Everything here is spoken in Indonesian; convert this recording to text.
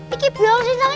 ini belom sih sakit